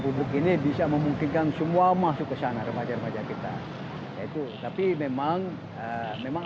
publik ini bisa memungkinkan semua masuk ke sana remaja remaja kita itu tapi memang memang